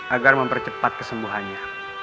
agar mempercepat kesembuhannya